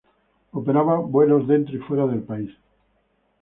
Operaba vuelos dentro y fuera del país.